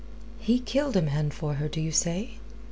"He killed a man for her, do you say?"